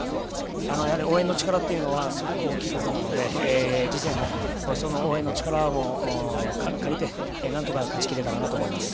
応援の力というのはすごく大きいことなので次戦も、その応援の力も借りてなんとか勝ち切れたらと思います。